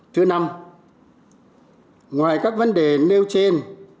thứ năm ngoài các vấn đề nêu trên